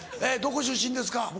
どこ出身ですか？